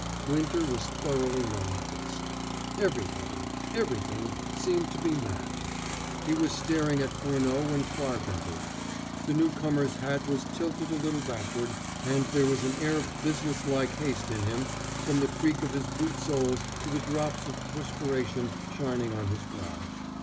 Winter was thoroughly nonplused. Everybody, everything, seemed to be mad. He was staring at Furneaux when Clarke entered. The newcomer's hat was tilted a little backward, and there was an air of business like haste in him from the creak of his boot soles to the drops of perspiration shining on his brow.